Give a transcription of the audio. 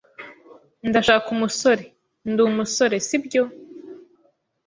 "Ndashaka umusore." "Ndi umusore, si byo?"